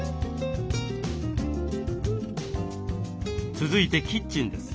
続いてキッチンです。